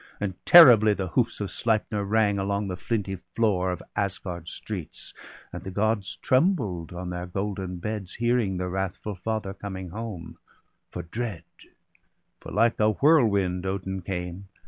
And terribly the hoofs of Sleipner rang Along the flinty floor of Asgard streets, And the Gods trembled on their golden beds Hearing the wrathful Father coming home — For dread, for like a whirlwind, Odin came.